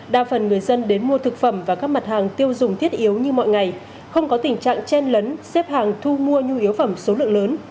đa phần người dân đến mua thực phẩm và các mặt hàng tiêu dùng thiết yếu như mọi ngày không có tình trạng chen lấn xếp hàng thu mua nhu yếu phẩm số lượng lớn